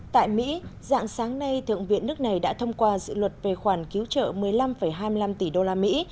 tại mỹ dạng sáng nay thượng viện nước này đã thông qua dự luật về khoản cứu trợ một mươi năm hai mươi năm tỷ đô la mỹ